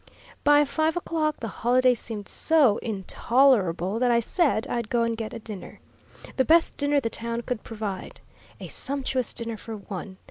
"By five o'clock the holiday became so intolerable that I said I'd go and get a dinner. The best dinner the town could provide. A sumptuous dinner for one.